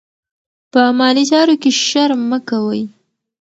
په مالي چارو کې شرم مه کوئ.